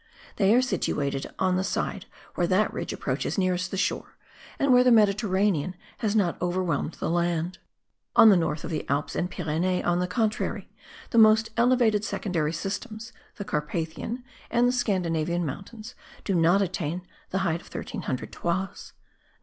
They are situated on the side where that ridge approaches nearest the shore, and where the Mediterranean has not overwhelmed the land. On the north of the Alps and Pyrenees, on the contrary, the most elevated secondary systems, the Carpathian and the Scandinavian mountains* do not attain the height of 1300 toises.